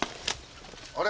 あれ？